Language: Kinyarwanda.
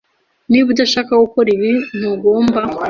Niba udashaka gukora ibi, ntugomba.